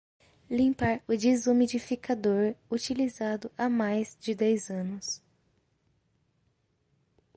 Limpar o desumidificador utilizado há mais de dez anos